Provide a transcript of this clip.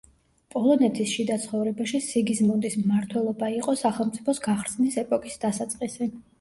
პოლონეთის შიდა ცხოვრებაში სიგიზმუნდის მმართველობა იყო სახელმწიფოს გახრწნის ეპოქის დასაწყისი.